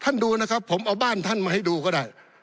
ดูนะครับผมเอาบ้านท่านมาให้ดูก็ได้